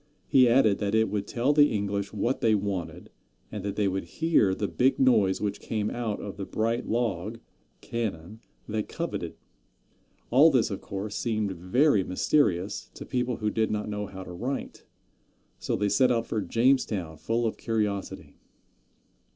He added that it would tell the English what they wanted, and that they would hear the big noise which came out of the bright log (cannon) they coveted. All this, of course, seemed very mysterious to people who did not know how to write, so they set out for Jamestown full of curiosity.